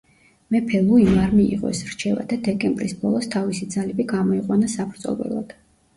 მეფე ლუიმ არ მიიღო ეს რჩევა და დეკემბრის ბოლოს თავისი ძალები გამოიყვანა საბრძოლველად.